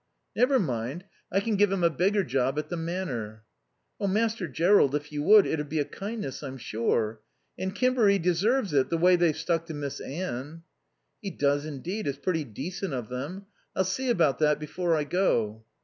"Never mind; I can give him a bigger job at the Manor." "Oh, Master Jerrold, if you would, it'd be a kindness, I'm sure. And Kimber 'e deserves it, the way they've stuck to Miss Anne." "He does indeed. It's pretty decent of them. I'll see about that before I go."